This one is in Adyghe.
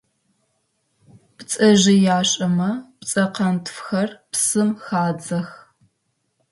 Пцэжъыяшэмэ пцэкъэнтфхэр псым хадзэх.